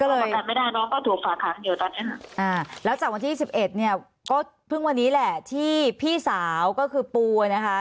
แล้วจากวันที่๒๑ก็เพิ่งวันนี้และที่พี่สาวก็คือปูนะคะ